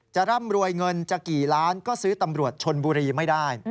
ร่ำรวยเงินจะกี่ล้านก็ซื้อตำรวจชนบุรีไม่ได้